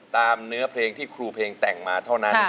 ตามเนื้อเพลงที่ครูเพลงแต่งมาเท่านั้น